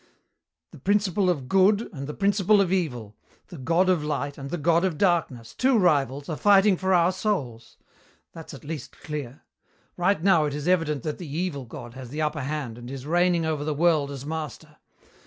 "The Principle of Good and the Principle of Evil, the God of Light and the God of Darkness, two rivals, are fighting for our souls. That's at least clear. Right now it is evident that the Evil God has the upper hand and is reigning over the world as master.